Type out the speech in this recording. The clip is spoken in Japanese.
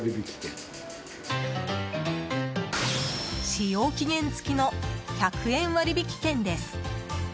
使用期限付きの１００円割引券です。